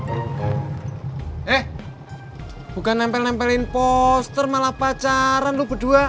eh bukan nempel nempelin poster malah pacaran lu berdua